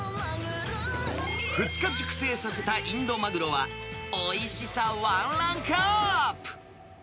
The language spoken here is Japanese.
２日熟成させたインドマグロは、おいしさワンランクアップ。